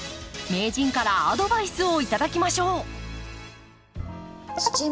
名人からアドバイスを頂きましょう。